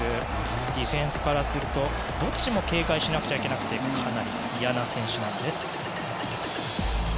ディフェンスからするとどっちも警戒しなくちゃいけなくてかなり嫌な選手なんです。